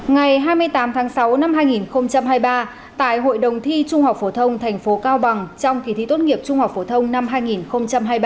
ngày hai mươi tám tháng sáu năm hai nghìn hai mươi ba tại hội đồng thi trung học phổ thông thành phố cao bằng trong kỳ thi tốt nghiệp trung học phổ thông năm hai nghìn hai mươi ba